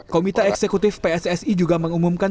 komite eksekutif pssi juga mengumumkan